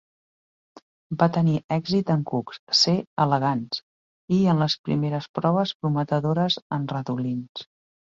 Va tenir èxit en cucs "C. elegans" i en les primeres proves prometedores en ratolins.